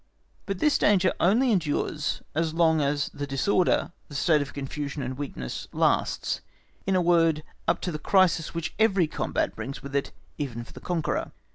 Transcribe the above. But this danger only endures as long as the disorder, the state of confusion and weakness lasts, in a word, up to the crisis which every combat brings with it even for the conqueror.